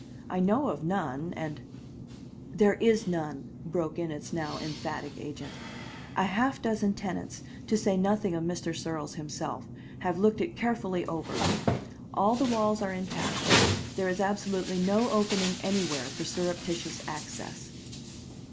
I know of none, and " "There is none," broke in its now emphatic agent. "A half dozen tenants, to say nothing of Mr. Searles himself, have looked it carefully over. All the walls are intact; there is absolutely no opening anywhere for surreptitious access."